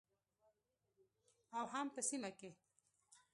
او هم په سیمه کې